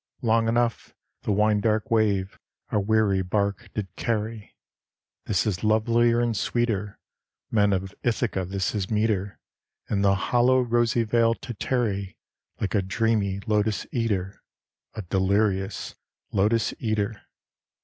Long enough the winedark wave our weary bark did carry. This is lovelier and sweeter, Men of Ithaca, this is meeter, In the hollow rosy vale to tarry, Like a dreamy Lotos eater, a delirious Lotos eater!